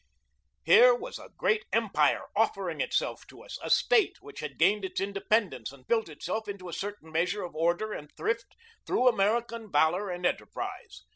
Here was a great empire offering itself to us a State which had gained its independence, and built itself into a certain measure of order and thrift through American valor and enterprise.